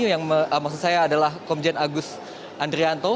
yang maksud saya adalah komjen agus andrianto